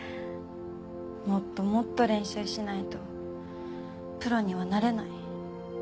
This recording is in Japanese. もっともっと練習しないとプロにはなれない。